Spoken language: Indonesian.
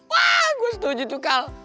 wah gue setuju tuh kau